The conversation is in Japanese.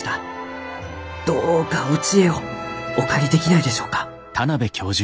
どうかお知恵をお借りできないでしょうか？